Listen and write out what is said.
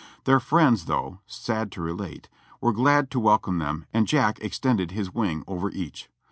Their friends, though (sad to relate), were glad to wel come them and Jack extended his wing over each.